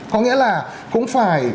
có nghĩa là cũng phải tính đến